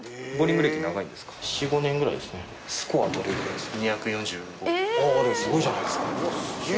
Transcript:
すごいじゃないですか。